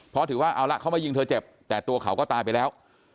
เพราะถือว่าเอาละเขามายิงเธอเจ็บแต่ตัวเขาก็ตายไปแล้ว